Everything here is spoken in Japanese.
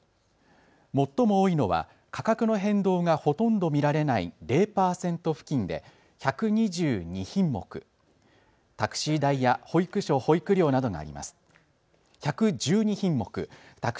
最も多いのは価格の変動がほとんど見られない０％付近で１１２品目、タクシー代や保育所保育料などがあります。